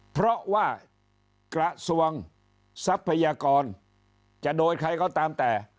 เพราะว่ากระทรวงทรัพยากรจะโดยใครก็ตามแต่